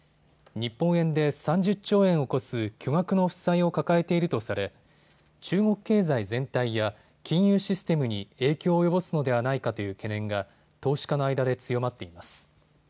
日本円で３０兆円を超す巨額の負債を抱えているとされ中国経済全体や金融システムに影響を及ぼすのではないかという懸念が投資家の間で強まっています。